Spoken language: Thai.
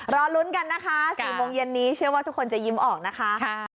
รอลุ้นกันนะคะ๔โมงเย็นนี้เชื่อว่าทุกคนจะยิ้มออกนะคะ